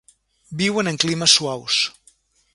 Viuen en climes suaus.